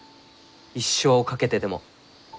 一生を懸けてでも。